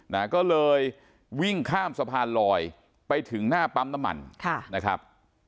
นะก็เลยวิ่งข้ามสะพานลอยไปถึงหน้าปั๊มน้ำมันค่ะนะครับ